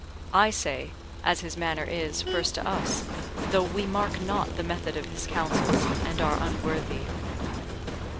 I say, as his manner is, first to us, though we mark not the method of his counsels, and are unworthy.